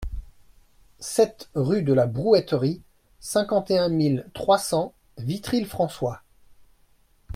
sept rue de la Brouetterie, cinquante et un mille trois cents Vitry-le-François